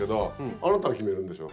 あなたが決めるんでしょ。